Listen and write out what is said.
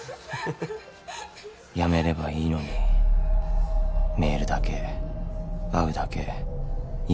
やめればいいのにメールだけ会うだけ今だけ